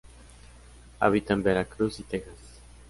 Habita en Veracruz y Texas.